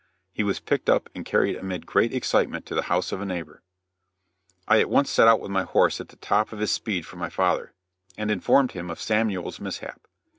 He was picked up and carried amid great excitement to the house of a neighbor. I at once set out with my horse at the top of his speed for my father, and informed him of Samuel's mishap.